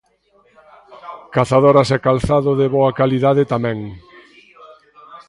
Cazadoras e calzado de boa calidade tamén.